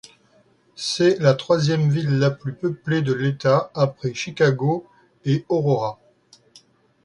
C’est la troisième ville la plus peuplée de l’État après Chicago et Aurora.